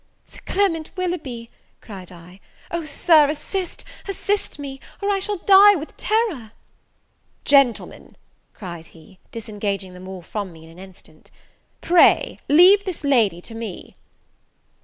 "Sir Clement Willoughby!" cried I. "O, Sir, assist assist me or I shall die with terror!" "Gentlemen," cried he, disengaging them all from me in an instant, "pray leave this lady to me."